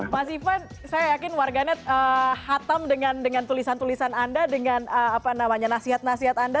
mas ivan saya yakin warganet hatam dengan tulisan tulisan anda dengan nasihat nasihat anda